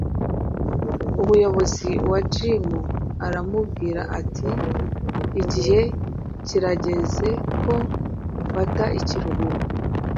Umuyobozi wa Jim aramubwira ati: "Igihe kirageze ko ufata ikiruhuko.